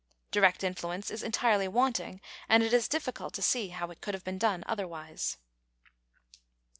Direct influence is entirely wanting, and it is difficult to see how it could have been otherwise.